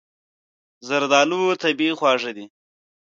زردالو طبیعي خواږه لري.